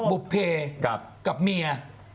บุภเพกับเมีย